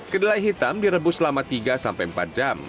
kedelai hitam direbus selama tiga sampai empat jam